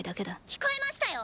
聞こえましたよ！